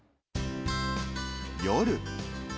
夜。